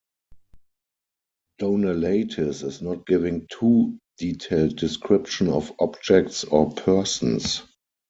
Donelaitis is not giving too detailed description of objects or persons.